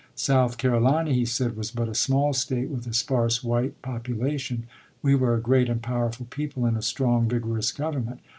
South Carolina, he said, was but a small State with a sparse white population — we were a great and powerful people, and a strong vigorous government.